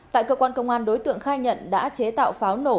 tại cơ quan công an đối tượng khai nhận đã chế tạo pháo nổ